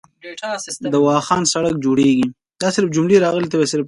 د واخان سړک جوړیږي